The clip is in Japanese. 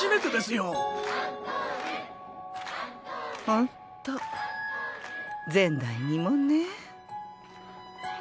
ほんと前代未聞ね。